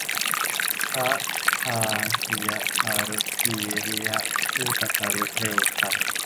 พระพาหิยทารุจีริยะ ผู้ตรัสรู้เร็วพลัน